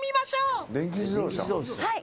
はい。